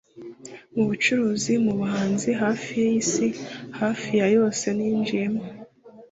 mu bucuruzi, mu buhanzi, hafi ya 'isi' hafi ya yose ninjiyemo